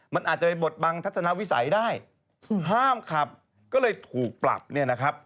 มันอาจจะไปบดบังทัศนาวิสัยได้ห้ามขับก็เลยถูกปรับ